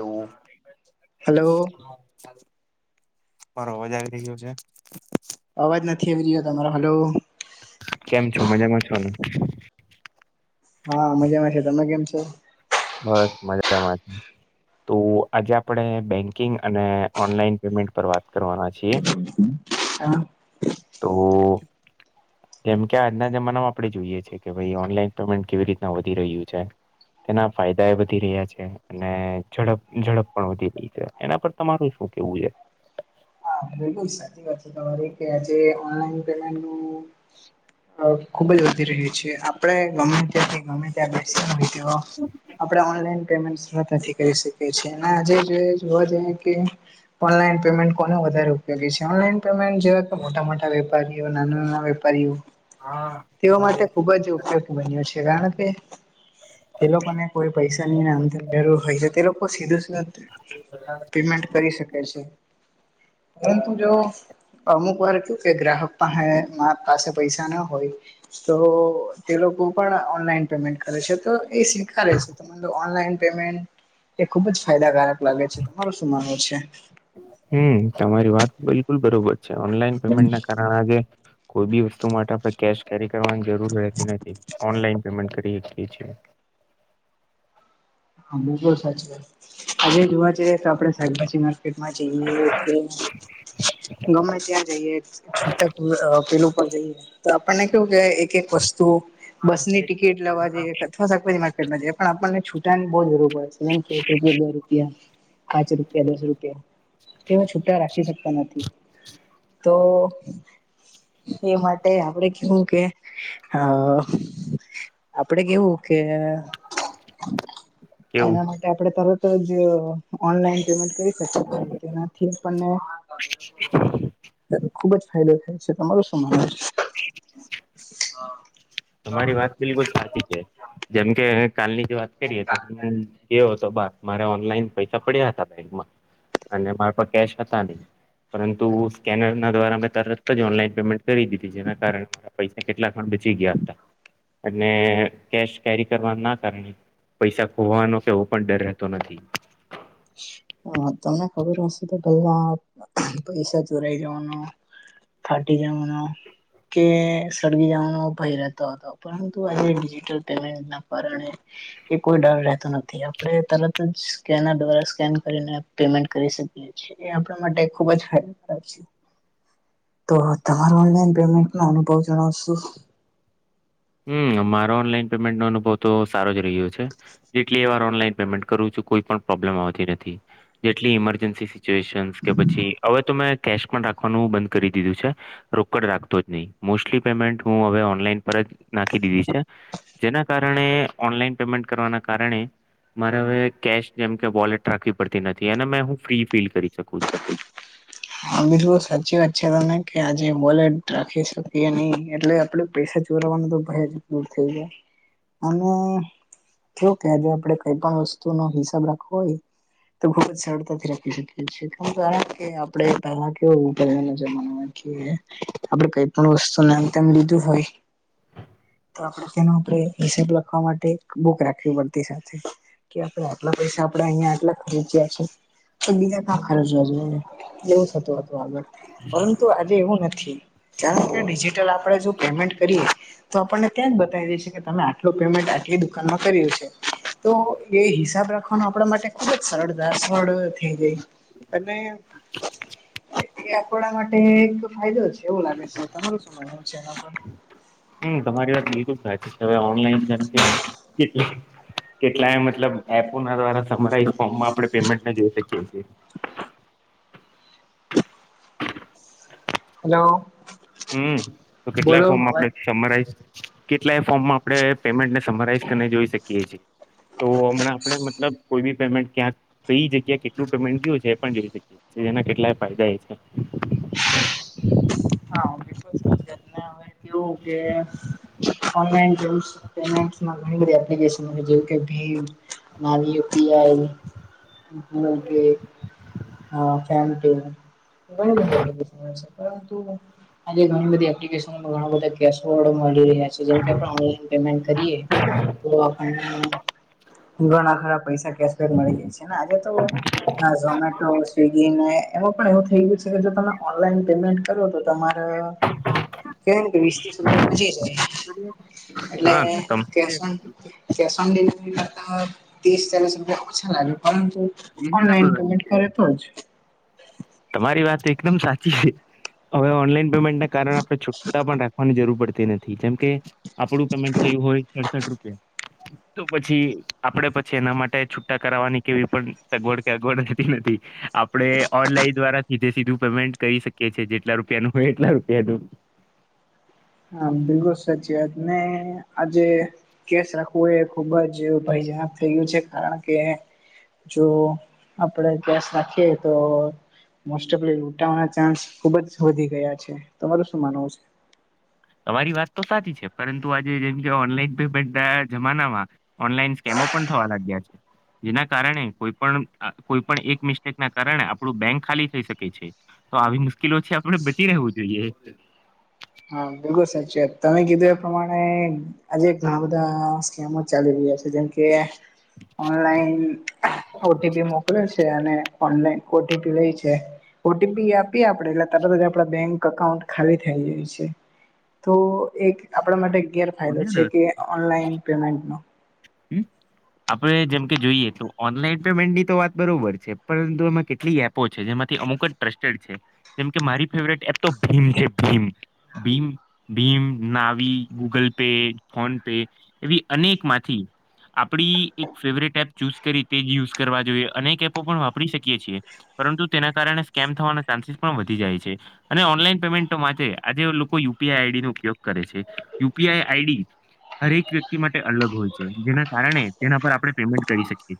એવું હલો મારો અવાજ આવી રહ્યો છે. અવાજ નથી આવી રહ્યો તમારો હલો. કેમ છો મજામાં છો ને. હા મજામાં છે. તમે કેમ છો? બસ મજામાં છે. તો આજે આપણે બેંકિંગ અને ઓનલાઈન પેમેન્ટ પર વાત કરવાના છે. છીએ હા તો જેમ કે આજના જમાનામાં આપણે જોઈએ છીએ કે ભાઈ ઓનલાઈન પેમેન્ટ કેવી રીતના વધી રહ્યું છે. તેના ફાયદા એ વધી રહ્યા છે. અને ઝડપ ઝડપ પણ વધી રહી છે એના પર તમારું શું કેવું છે. હા બિલકુલ સાચી વાત છે તમારી કે આજે ઓનલાઈન પેમેન્ટ નું અ ખુબ જ વધી રહ્યું છે આપણે ગમે ત્યાંથી ગમે ત્યાં બેસી હો તો આપડે ઓનલાઈન પેમેન્ટ [unintelligible] કરી શકયે છે ને આજે જોવા જઈએ કે ઓનલાઈન પેમેન્ટ કોને વધારે કર્યે છે ઓનલાઇન પેમેન્ટ જેવા મોટા મોટા વેપારીઓ, નાના નાના વેપારીઓ હા તેઓ માટે તમારી ખૂબ જ ઉપયોગી બન્યો છે કારણ કે તે લોકોને કોઈ પૈસાની નામ જરૂર હોય છે તે લોકો સીધું સીધું [unintelligible] પેમેન્ટ કરી શકીએ છે. પરંતુ જો અમુક વાર કે ગ્રાહક પાસે [unintelligible] પૈસા ન હોય તો તે લોકો પણ ઓનલાઈન પેમેન્ટ કરે છે તો એ સ્વીકારે છે. આ ઓનલાઈન પેમેન્ટ એ ખુબ જ ફાયદાકારક લાગે છે તમાર શું માનવું છે. હમ્મ તમારી વાત બિલકુલ બરોબર છે ઓનલાઈન પેમેન્ટ ના કારણે જે કોઈ બી વસ્તુ માટે કે કેરી કરવાની જરૂર રહેતી નથી ઓનલાઈન પેમેન્ટ કરી શએ છીએ હા બૂગલ સાચ કર આજે જોવા જઈએ તો આપડણે શાકભાજી માર્કેટમાં જઈએ ગમે ત્યાં જઈએ છૂટા પેલું પર જઈએ તો આપણને કેવું કે એક એક વસ્તુ બસ ની ટિકિટ લેવા જઈએ અથવા શાકભાજી માર્કેટમાંઈએ પણ આપણને છૂટાની બહુ જરૂર છે કે એક રૂપિયા દો રૂપિયા પાંચ રૂપિયા દસ રૂપિયા તેમે છૂટા રાખી શકતા નથી તો એ માટે આપડે કેવું કે હ આપડે કેવું કે કેવું એના માટે આપણે તરત જ ઓનલાઈન પેમેન્ટ કરી શકીએએ તેનાથી આપને ખુબ જ ફાયદો થાય છે તમાર શું માનવ છે તમારી વાત બિલકુલ સાચી છે જેમકે કાલની જ વાત કરીએ તો હ ગયો તો બાર મારે ઓનલાઈન પૈસા પડ્યા હતા બેંકમાં અને મારા પર કેશ હતા નહી પરંતુ સ્કેનર ના દ્વારા મેં તરત જ ઓનલાન પેમેન્ટ કરી દીધી જેના કારણે પૈસા કેટલા ખંડ બચી ગયા અને કેશ કેરી કરવા ના કારણે પૈસા ખોવાનો કેવો પણ ડર રહેતો નથી હ તમને ખબર હશે તો પલા પૈસા ચોરાઈ જવાનો ફાટી જવાના કે સળગી જવાનો ભય રહેતો હતો પરંતુ આજે ડિજટલ પેમેન્ટ ના કારણે એ કોઈ ડર રહેતો નથી આપણે તરત જ કેના દ્વારા સ્કેન કરીને પેમેન્ટ કરી શકી છીએ એ આપણા માટે ખુબ જ ફાયદા છે તો તમારો ઓનલાઈન પેમેન્ટ ન અનુભવ જણાવશું હમ્મ અમારો ઓનલાઈન પેમેન્ટ નો અનુભવ તો સારો જ રહ્યો છે જેટલી એ વાત ઓનલાઇન પેમેન્ટ કરું છુ કોઈ પણ પ્રોબ્લમ આવતી નથી જેટલી ઇમર્જન્સી સ કે પછી હવે તો મેં કેશ પણ રાખવાનું બંધ કરી દીધું છે રોકડ રાખતો જ નહી મોસ્ટલી પેમેન્ટ હૂ હવે ઓનલાઈન પર જ નાખી દીધી છે જેના કારણે ઓનલાઈન પેમેન્ટ કરવાના કારણે મારે હવે કેશ જેમ કે વોલેટ રાખવી પડતી નથી અને મે હું ફ્રી ફીલ કરી શકું છું હા બિલકુલ સાચી વાત છે તને કે આજે બોલેટ રાખી શકીએ નહી એટલે આપડું પૈસા ચોરાવાનો તો ભય જ દૂર થઈ જાય અને જો કે આજે આપડે કઈ પણ વસ્તુ નો હિસાબ રાખવો હોય તો ખૂબ જ સડતાથી રાખી શકે શ જા કે આપડે પેલા કેવું જમાનામાં આપડે ક પણ વસ્તુ નામ તેમ લીધું હોય [inaudible] તો આપણે તેનો આપણે હિસાબ લખવા માટે બુક રાખવી પડતી સાથે કે આપણે આટલા પૈસા આપડે અહિયાં આટલા ખરીચ્યા છે બીજા હજજ એવું થતું હતું આગળ પરંતુ આજે એવું નથી કારણ કે ડિજિટલ આપણેે જો પેમેન્ટ કરીએ તો આપણને ત્યાં જ બતાવી દેશે કે તમે આટલું પેમેન્ટ આટલી દુકાનમાં કર્યું છે તો એ હિસાબ રાખવાનું આપણા માટે ખુબ જ સરળતા સરળ થઈ ગઈ અને એ આપણા માટે એક ફાયદો છે એવું લાગે છે તમાર શું છે એ હમ્મ તમારી વાત લીધું થાય છે હવે ઓનલાઈન કે કેટલાય મતલબ એપોના દ્વારા સમરાઈ ફોર્મમાં આપણે પેમેન્ટ જોઈ શકીએ છીએ હેલો હમ્મ, તો કેટલાય બોલો ફોર્મ અવાજ આપડે સમરાઈ કેટલાય ફોર્મમાં આપડે પેમેન્ટ સમરાઈઝ જોઈ શકીએ છીએ. તો હમણાં આપણે મતલબ કોઈ બી પેમેન્ટ ક્યાંક કઈ જગ્યા કેટલું પેમેન્ટ ગયું છે એ પણ જોઈ શકીએ. જેના કેટલાય ફાયદા એ છે. હા, બિલકુલ સાચી વાતને હવે કેવું કે [unintelligible] પેમેન્ટ માં ઘણી બધી એપ્લિકેશ જે કે ભીમ મારી યુ પી આઈ હા નામ પે હા ફેન પે ઘણી બધી એપ્લિકેશન છે પરંતુ આજે ઘણી બધી એપ્લિકેશન ના ઘણા બધા મળી રહ્યા છે જેમકે આપડે ઓનલાઈન પેમેન્ટ કરીએ તો આપણને ઘણા ખરા પૈસા કેશ બેક મળી જાય છે ને આજે તો હા, ઝોમેટો સ્વિગી ને એમાં પણ એવું થઈ ગયું છે કે જો તમે ઓનલાઈન પેમેન્ટ કરો તો તમારે કેય ને કે વીસ ત્રીસ રૂપિયા મલી જાએ. એટલે હા cash on cash on delivery કા તો તીસ ચાલીસ રૂપિયા ઓછા આવે પરંતુ ઓનલાઈન તમ પેમેન્ટ કરે તોજ તમારી વાત એકદમ સાચી છે. હવે ઓનલાઈન પેમેન્ટના કારણે આપડે છૂટા પણ રાખવાની જરૂર પડતી ન થી જેમકે આપણું પેમેન્ટ થયું હોય સડસઠ રૂપિયા તો પછી આપડે પછી એના માટે છુટ્ટા કરાવાની કેવી પણ સગવડ કે અગવડતી નથી. આપડે ઓનલાઈન દ્વારા સીધે સીધું પેમેન્ટ કરી શકીએ છીએ જેટલા રૂપિયાનું હોય એટલા રૂપિયાનું. હા, બિલકુલ સાચી વાત ને આજે કેસ રાખવો એ ખુબ જ ભયજનક થયું છે કારણ કે જો આપડે ગેસ રાખીએ તો મોસ્ટલી ઓફ લૂંટવાના ચાન્સ ખુબ જ વધી ગયા છે. તમારું શું માનવું છે? તમારી વાત તો સાચી છે પરંતુ આજે જેમ કે ઓનલાઈન પેમેન્ટના જમાનામાં ઓનલાઈન સ્કેમો પણ થવા લાગ્યા છે. જેના કારણે કોઈ પણ કોઈ પણ એક મિસ્ટેકના કારણે આપડું બેંક ખાલી થઈ શકે છે. તો આવી મુશ્કેલોથી આપડણે બચી રહેવું જોઈએ. હા, બિલકુલ સાચી વાત તમે કીધું એ પ્રમાણે આજે ઘણા બધા સ્કેમો ચાલી રહ્યા છે જેમકે ઓનલાઈન ઓ ટી પી મોકલે છે અને ઓનલાઈન ઓ ટી પી લેય છે ઓ ટી પી આપીએ આપડે એટલે તરત આપડા બેંક અકાઉન્ટ ખાલી થાય જાય છે. તો એક આપડા માટે ગેરફાયદો છે કે ઓનલાઈન પેમેન્ટનો. હમ્મ. આપડે જેમકે જોઈએ તો ઓનલાઈન પેમેન્ટની તો વાત બરોબર છે પરંતુ એમાં કેટલી એપ પો છે જેમાંથી અમુક જ ટ્રસ્ટે છે જેમકે મારી ફેવરેટ એપ છે તો ભીમ છે Bhim Bhim Bhim, નાવી, Google pay, phone pay એવી અનેક માંથી આપડી એક ફેવરેટ એપ ચૂસ કરી તે જ યુઝ કરવા જોઈએ અનેક એપો પણ વાપરી શકીએ છીએ. પરંતુ તેના કારણે સ્કેમ થવાના ચાન્સીસ પણ વધી જાય છે. અને ઓનલાઈન પેમેન્ટ તો માટે આજે લોકો U P I I D નો ઉપયોગ કરે છે. U P I I D હરેક વ્યક્તિ માટે અલગ હોય છે. જેના કારણે તેના પર આપડે પેમેન્ટ કરી શકી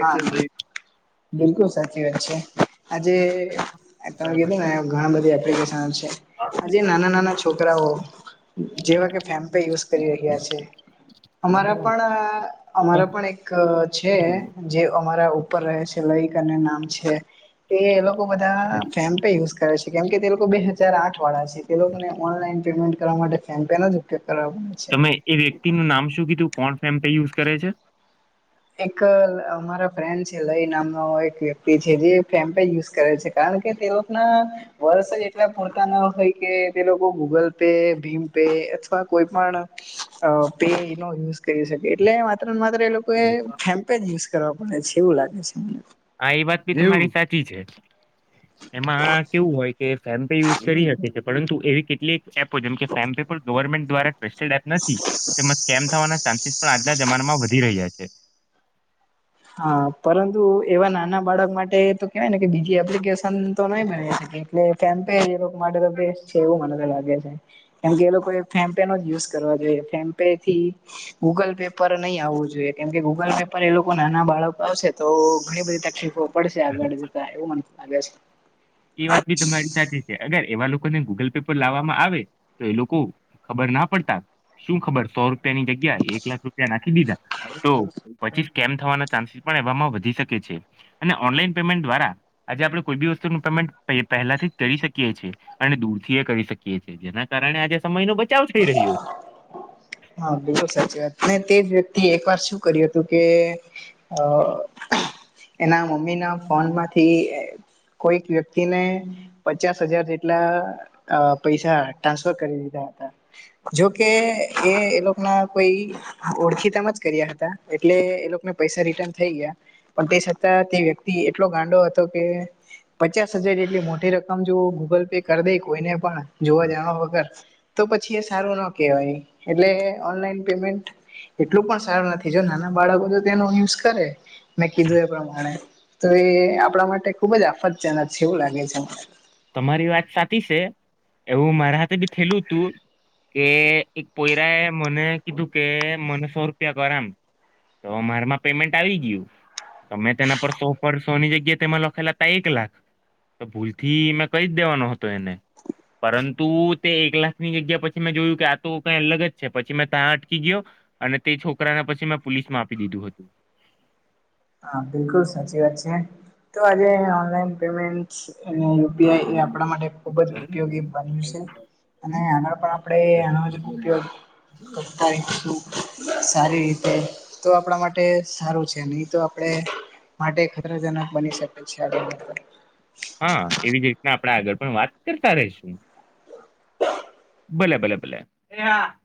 હા બિલકુલ સાચી વાત છે. આજે તમે કીધુંને ઘણા બધા એપ્લિકેશન હા છે. આજે નાના નાના છોકરાઓ જેવા કે ફેમ્પે યુઝ કરી રહ્યા છે. અમારા પણ અહ અમારા પણ એક છે જે અમારા ઉપર રહે છે એ લોઈક અને નામ છે. એ એ લોકો બધા ફેમપે યુઝ કરે છે. કેમ કે તે લોકો બે હજાર આઠ વાળા છે તે લોકોને ઓનલાઈન પેમેન્ટ કરવા માટે ફેમ્પેનો જ ઉપયોગ કરવા છે. નહીં એ વ્યક્તિ નું નામ શું કીધું કોણ ફેમ્પે યુઝ કરે છે? એક અમારા ફ્રેન્ડ છે લય નામનો એક વ્યક્તિ છે જે ફેમ્પે યુઝ કરે છે કારણ કે તે લોકના વર્ષ જ એટલા પૂરતા ન હોય કે તે લોકો ગૂગલ પે, ભીમ પે અથવા કોઈ પણ અ પે નો યુઝ કરી શકે એટલે માત્ર ને માત્ર એ લોકો આપડે ફેન પે જ યુઝ કરવા પડે છે એવું લાગે છે મને હા એ વાત બી તમારી સાચી છે. એમાં કેવું હોય કે ફેમ્પે યુઝ કરી શકે છે પરંતુ એવી કેટલીક એપ હોય જેમ કે ફેમ્પે પણ ગવર્મેન્ટ દ્વારા ટસ્ટેડ એપ નથી. તેમાં સ્કેમ થવાના ચાન્સીસ પણ આજના જમાનામાં વધી રહ્યા છે. હા પરંતુ એવા નાના બાળક માટે તો કેવાય ને કે બીજી એપ્લિકેશન તો નય મળી શકે એટલે ફેમ્પે એ લોકો માટે તો બેસ્ટ છે એવું મને લાગે છે. કેમ કે એ લોકો ફેમ્પેનો જ યુઝ કરવા જોઈએ ફેમ્પે થી ગૂગલ પે પર નય આવવું જોઈએ કેમ કે ગૂગલ પે પર એ લોકો નાના બાળકો હસે તો ઘણી બધી તકલીફો પડશે આગળ જતા એવું મને તો લાગે છે. એ વાત બી તમારી સાચી છે. અગર એવા લોકોને ગૂગલ પે પર લાવવામાં આવે તો એ લોકો ખબર ના પડતા શું ખબર સો રૂપિયા ની જગ્યા એક લાખ રૂપિયા નાખી દીધા તો પછી સ્કેમ થવાના ચાન્સીસ પણ એવામાં વધી શકે છે. અને ઓનલાઈન પેમેન્ટ દ્વારા આજે આપણેે કોઈ બી વસ્તુનું પેમેન્ટ પહેલાથી જ કરી શકીએ છીએ. અને દૂર થીએ કરી શકીએ છીએ જેના કારણે આજે સમયનો બચાવ થઈ રહ્યો છે. હા બિલકુલ સાચી વાત. હા તેજ વ્યક્- વ્યક્તિ એ એક વાર શું કર્યું હતું કે અ એના મમ્મીના ફોન માંથી કોઈક વ્યક્તિને પચાસ હજાર જેટલા અ પૈસા ટ્રાન્સફર કરી દીધા હતા. જોકે એ એ લોકો નો કોઈ ઓળખીતા માં જ કર્યા હતા એટલે એ લોકોને પૈસા રિટર્ન થઈ ગયા. પણ તે છતાં તે વ્યક્તિ એટલો ગાંડો હતો કે પચાસ હજાર જેટલી મોટી રકમ જો ગૂગલ પે કરી દે કોઈને પણ જોવા છે જાણવા વગર તો પછી એ સારું નો કેહેવાય એટલે ઓનલાઈન પેમેન્ટ એટલું પણ સારું નથી. જો નાના બાળકો તો તેનો યુઝ કરે મેં કીધું એ પ્રમાણે તો એ આપણા માટે ખુબ જ આફતજનક છે એવું લાગે છે. તમારી વાત સાચી છે એવું મારા હાથે બી થેલું હતું. કે એક પોયરા એ મને કીધું કે મને સો રૂપિયા કર એમ. તો મારા માં પેમેન્ટ આવી ગયું. તો મે તેના પર સો પર સો ની જગ્યાએ તેમાં લખેલા હતા એક લાખ તો ભૂલ થી મે કરી જ દેવાનો હતો એને પરંતુ તે એક લાખ ની જગ્યા પછી મેં જોયું કે આ તો કંઈ અલગ જ છે પછી મેં ત્યાં અટકી ગયો અને તે છોકરાને પછી મેં પોલીસ મા આપી દીધું હતું. હા બિલકુલ સાચી વાત છે તો આજે ઓનલાઈન પેમેન્ટ અને યુ પી આઈ એ આપણા માટે ખુબ જ ઉપયોગી બન્યું સે અને આગળ પણ આપણે આ નો જ ઉપયોગ તો થાય તેટલું સારી રીતે તો આપણા માટે સારું છે નહી તો આપણે માટે ખતરાજનક બની શકે છે આપણ ને હા એવી જ રીતના આપણે આગળ પણ વાત કરતા રહીશું. [inaudible] ભલે ભલે ભલે એ હા.